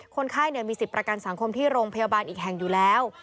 คนไข้มีสิทธิ์ประกันสังคมที่โรงพยาบาลอีกแห่งอยู่แล้ว